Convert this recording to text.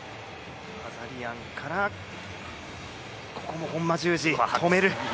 アザリアンからここもホンマ十字、止める。